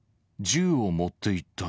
銃を持っていった。